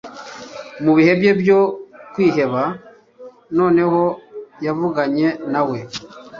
mubihe bye byo kwiheba noneho yavuganye nawe